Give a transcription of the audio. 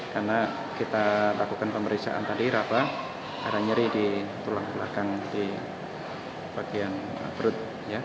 karena kita lakukan pemeriksaan tadi raba ada nyeri di tulang belakang di bagian perut